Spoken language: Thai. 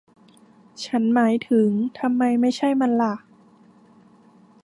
ฉันหมายถึง ทำไมไม่ใช่มันหละ